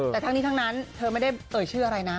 แต่ทั้งนี้ทั้งนั้นเธอไม่ได้เอ่ยชื่ออะไรนะ